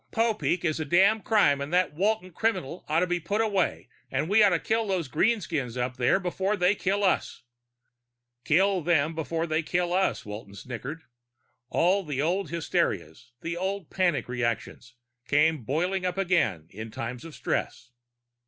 Popeek is a damned crime and that Walton criminal ought to be put away and we ought to kill those greenskins up there before they kill us. We gotta have room to live._ Kill them before they kill us. Walton snickered. All the old hysterias, the old panic reactions, come boiling up again in times of stress.